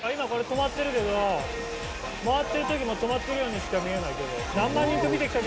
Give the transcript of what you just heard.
今、これ止まってるけど、回ってるときも、止まってるようにしか見えない。